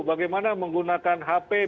bagaimana menggunakan handphone